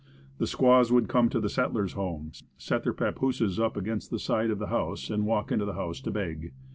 The squaws would come to the settler's homes, set their papooses up against the side of the house and walk into the house to beg.